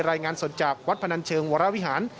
รายงานสดจากวัดพนันเชิงวรวิหาร